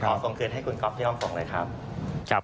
ส่งคืนให้คุณก๊อฟที่ห้องส่งเลยครับ